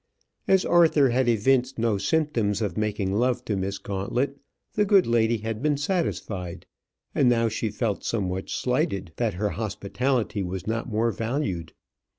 As Arthur had evinced no symptoms of making love to Miss Gauntlet, the good lady had been satisfied, and now she felt somewhat slighted that her hospitality was not more valued.